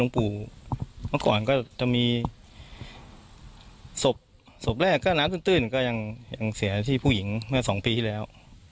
เมื่อก่อนก็จะมีศพแรกก็น้ำตื้นก็ยังเสียที่ผู้หญิงเมื่อ๒ปีที่แล้ว